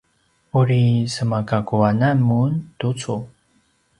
uri sema gakku anan mun tucu?